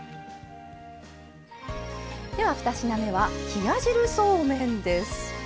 では２品目は冷や汁そうめんです。